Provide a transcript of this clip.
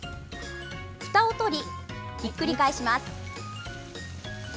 ふたを取り、ひっくり返します。